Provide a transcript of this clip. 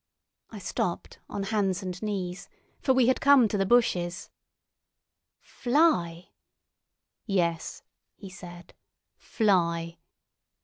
I stopped, on hands and knees, for we had come to the bushes. "Fly!" "Yes," he said, "fly."